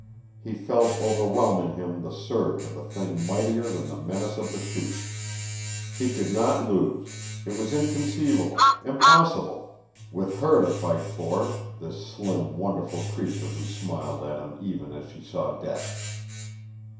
He felt overwhelming him the surge of a thing mightier than the menace of the Chute. He could not lose! It was inconceivable. Impossible! With HER to fight for this slim, wonderful creature who smiled at him even as she saw death.